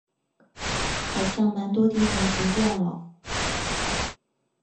好像蛮多地方停电了